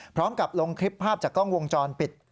พร้อมกับลงคลิปภาพจากกล้องวงจรปิด